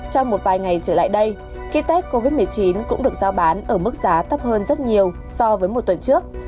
trong một vài ngày trở lại đây kit test covid một mươi chín cũng được giao bán ở mức giá tấp hơn rất nhiều so với một tuần trước